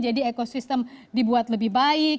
jadi ekosistem dibuat lebih baik